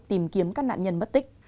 tìm kiếm các nạn nhân mất tích